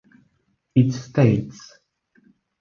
It states ...